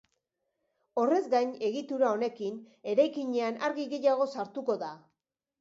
Horrez gain, egitura honekin eraikinean argi gehiago sartuko da.